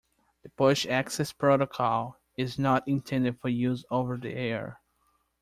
The Push Access Protocol is not intended for use over the air.